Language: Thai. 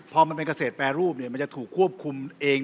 พอมันเป็นเกษตรแปรรูปมันจะถูกควบคุมเอง